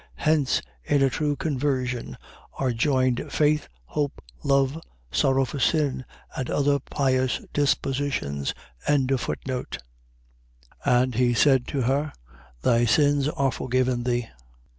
Hence in a true conversion are joined faith, hope, love, sorrow for sin, and other pious dispositions. 7:48. And he said to her: Thy sins are forgiven thee.